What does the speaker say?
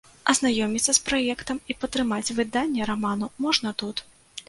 Азнаёміцца з праектам і падтрымаць выданне раману можна тут.